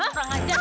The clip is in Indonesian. apaan sih bu